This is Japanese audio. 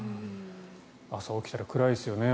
朝起きたら暗いですよね